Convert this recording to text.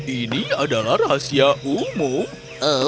ini adalah rahasia umum